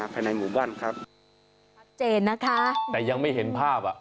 แต่ยังไม่เห็นภาพ